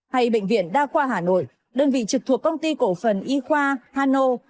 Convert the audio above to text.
hay bệnh viện đa khoa hà nội đơn vị trực thuộc công ty cổ phần y khoa hano